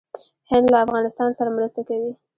هند له افغانستان سره مرسته کوي.